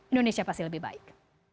indonesia pasti lebih baik